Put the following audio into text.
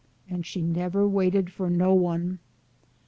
" and she " nebber waited for no one."